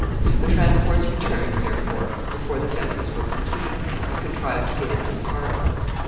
The transports returned, therefore, before the defenses were complete, and contrived to get into the harbor.